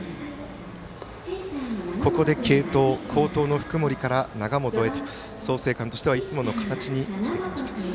ここで継投好投の福盛から永本と創成館としてはいつもの形にしてきました。